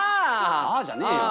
「ああ」じゃねえよ。